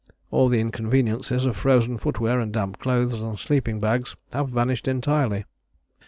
All the inconveniences of frozen footwear and damp clothes and sleeping bags have vanished entirely."